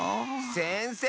せんせい！